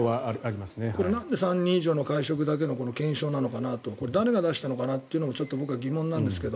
これはなんで３人以上の会食だけの検証なのかなと誰が出したのか僕は疑問ですけど。